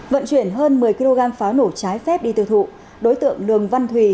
vận chuyển hơn một mươi kg pháo nổ trái phép đi tiêu thụ đối tượng lường văn thùy